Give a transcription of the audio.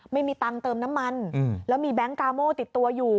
ไม่มีตังค์เติมน้ำมันแล้วมีแบงค์กาโม่ติดตัวอยู่